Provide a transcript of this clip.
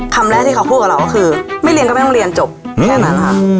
คำแรกที่เขาพูดกับเราก็คือไม่เรียนก็ไม่ต้องเรียนจบแค่นั้นค่ะ